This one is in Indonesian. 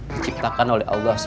diciptakan oleh allah swt